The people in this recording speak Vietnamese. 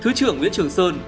thứ trưởng nguyễn trường sơn